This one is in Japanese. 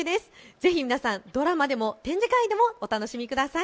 ぜひ皆さん、ドラマでも展示会でもお楽しみください。